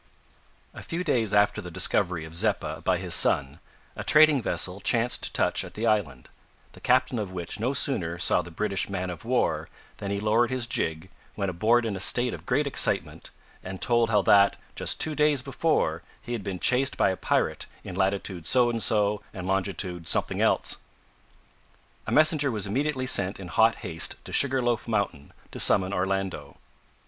A few days after the discovery of Zeppa by his son, a trading vessel chanced to touch at the island, the captain of which no sooner saw the British man of war than he lowered his gig, went aboard in a state of great excitement, and told how that, just two days before, he had been chased by a pirate in latitude so and so and longitude something else! A messenger was immediately sent in hot haste to Sugar loaf Mountain to summon Orlando.